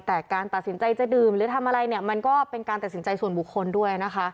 แต่การตัดสินใจจะดื่มหรือทำอะไรเนี่ยมันก็เป็นการตัดสินใจส่วนบุคคลด้วยนะคะ